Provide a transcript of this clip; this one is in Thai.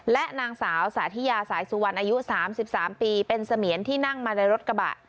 และนางสาวสาธิยาสายสุวรรณอายุ๓๓ปีเป็นเสมียนที่นั่งมาในรถกระบะ